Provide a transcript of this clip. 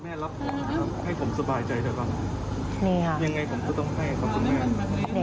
รับให้ผมสบายใจเถอะครับมีค่ะยังไงผมก็ต้องให้ครับคุณแม่